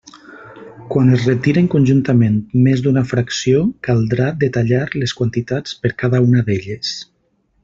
Quan es retiren conjuntament més d'una fracció caldrà detallar les quantitats per cada una d'elles.